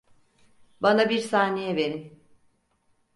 Bana bir saniye verin.